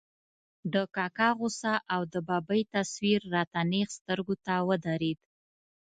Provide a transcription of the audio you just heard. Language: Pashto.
د کاکا غوسه او د ببۍ تصویر را ته نېغ سترګو ته ودرېد.